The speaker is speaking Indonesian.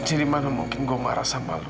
jadi mana mungkin gue marah sama lo